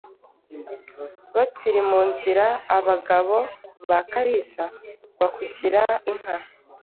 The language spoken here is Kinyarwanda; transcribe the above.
Bakiri mu nzira, abagabo ba Kalira bakukira inka.